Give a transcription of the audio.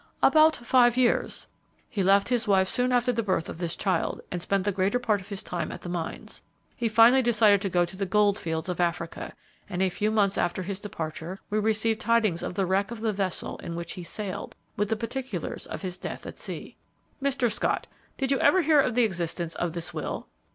"About five years. He left his wife soon after the birth of this child and spent the greater part of his time at the mines. He finally decided to go to the gold fields of Africa, and a few months after his departure, we received tidings of the wreck of the vessel in which he sailed, with the particulars of his death at sea." "Mr. Scott, did you ever hear of the existence of this will?"